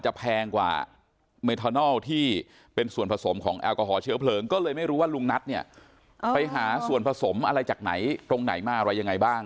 แพงกว่าเมทานอลที่เป็นส่วนผสมของแอลกอฮอลเชื้อเพลิงก็เลยไม่รู้ว่าลุงนัทเนี่ยไปหาส่วนผสมอะไรจากไหนตรงไหนมาอะไรยังไงบ้าง